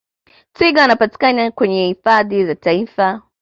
twiga Wanapatikana kwenye hifadhi za taifa